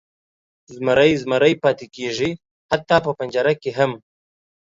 زمری زمری پاتې کیږي، حتی په پنجره کې هم.